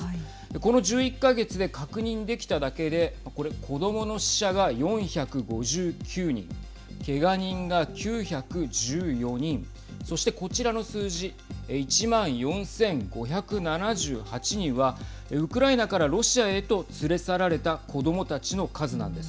この１１か月で確認できただけでこれ、子どもの死者が４５９人けが人が９１４人そしてこちらの数字１万４５７８人はウクライナからロシアへと連れ去られた子どもたちの数なんです。